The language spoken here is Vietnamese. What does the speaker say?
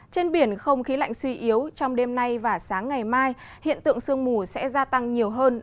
trên biển không khí lạnh suy yếu trong đêm nay và sáng ngày mai hiện tượng sương mù sẽ gia tăng nhiều hơn